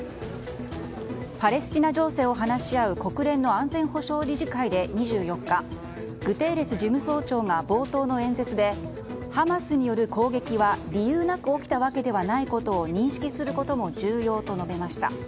パレスチナ情勢を話し合う国連の安全保障理事会で２４日グテーレス事務総長が冒頭の演説でハマスによる攻撃は理由なく起きたわけではないことを認識することも重要と述べました。